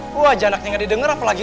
gue aja anaknya gak didenger apalagi lo